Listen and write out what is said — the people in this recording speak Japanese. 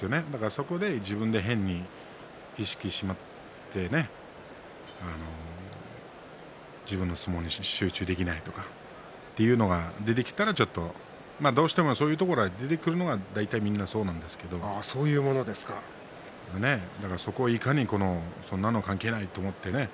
そこで変に自分で意識してしまってね自分の相撲に集中できないとかというのが出てきたらちょっとどうしてもそういうところが出てくるのがみんなそうなんですけどそこを、いかにそんなの関係ないと思ってね